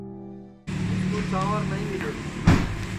مِسکُو چانٚور نائی مِلے